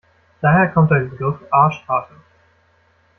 Daher kommt der Begriff Arschkarte.